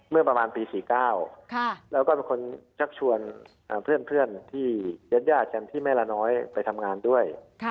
เมื่อประมาณปี๔๙แล้วก็เป็นคนชักชวนเพื่อนที่ญาติกันที่แม่ละน้อยไปทำงานด้วย